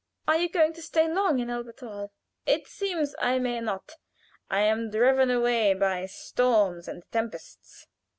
"Are you going to stay long in Elberthal?" "It seems I may not. I am driven away by storms and tempests."